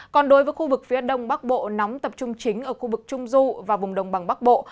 còn đối với khu vực phía đông bắc bộ nóng tập trung chính ở khu vực trung du và vùng đồng bằng bắc bộ